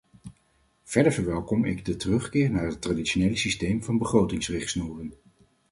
Verder verwelkom ik de terugkeer naar het traditionele systeem van begrotingsrichtsnoeren.